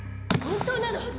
本当なの？